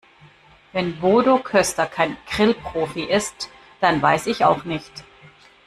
Wenn Bodo Köster kein Grillprofi ist, dann weiß ich auch nicht.